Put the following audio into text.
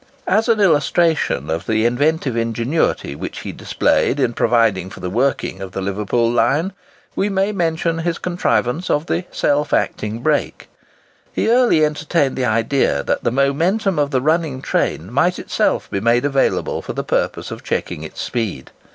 As an illustration of the inventive ingenuity which he displayed in providing for the working of the Liverpool line, we may mention his contrivance of the Self acting Brake. He early entertained the idea that the momentum of the running train might itself be made available for the purpose of checking its speed.